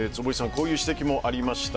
こういう指摘もありました。